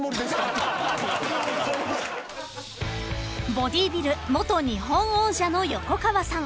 ［ボディビル元日本王者の横川さん］